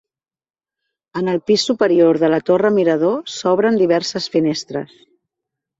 En el pis superior de la torre mirador s'obren diverses finestres.